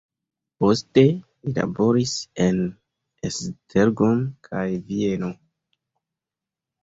Poste li laboris en Esztergom kaj Vieno.